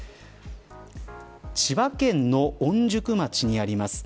千葉県の御宿町にあります